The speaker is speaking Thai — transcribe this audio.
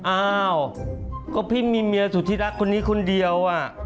อ้าวก็พี่มีเมียสุธิรักคนนี้คนเดียว